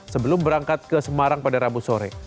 sebelum berangkat ke semarang pada rabu sore